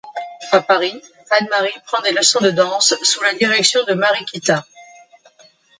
À Paris, Anne-Marie prend des leçons de danse sous la direction de Mariquita.